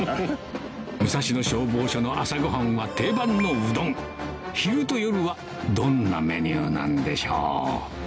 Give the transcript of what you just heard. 武蔵野消防署の朝ごはんは定番のうどん昼と夜はどんなメニューなんでしょう